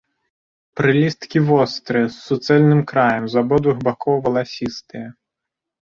Прылісткі вострыя, з суцэльным краем, з абодвух бакоў валасістыя.